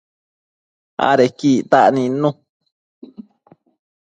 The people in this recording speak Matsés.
Adequi ictac nidnu